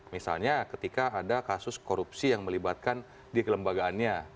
misalnya ketika ada kasus korupsi yang melibatkan dikelembagaannya